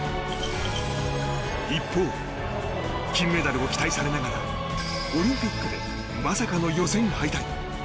一方、金メダルを期待されながらオリンピックでまさかの予選敗退。